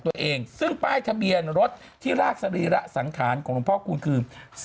ตัวเองซึ่งป้ายทะเบียนรถที่รากสรีระสังขารของหลวงพ่อคูณคือ